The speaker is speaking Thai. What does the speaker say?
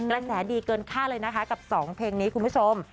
และแสดีก่อนค่าเลยค่ะกับสองเพลงนี้คุณผู้ชม